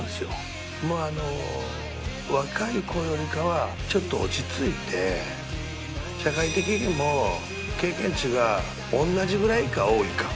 もうあの若い子よりかはちょっと落ち着いて社会的にも経験値が同じぐらいか多いか。